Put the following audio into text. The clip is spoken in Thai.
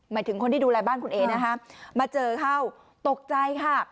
ถึงคนที่ดูแลบ้านคุณเอนะคะมาเจอเข้าตกใจค่ะ